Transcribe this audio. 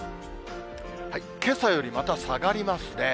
けさより、また下がりますね。